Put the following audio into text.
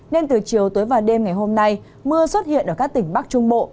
nên từ chiều tới vào đêm ngày hôm nay mưa xuất hiện ở các tỉnh bắc trung bộ